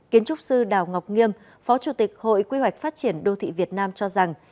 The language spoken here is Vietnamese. kiến trúc sư đào ngọc nghiêm phó chủ tịch hội quy hoạch phát triển đô thị việt nam cho rằng